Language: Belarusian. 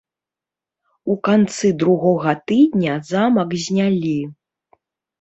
У канцы другога тыдня замак знялі.